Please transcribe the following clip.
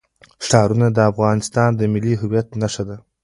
ښارونه د افغانستان د ملي هویت نښه ده.